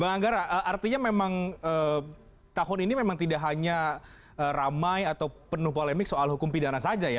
bang anggara artinya memang tahun ini memang tidak hanya ramai atau penuh polemik soal hukum pidana saja ya